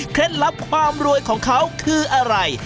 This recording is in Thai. ลับความรวยของเขาคืออะไร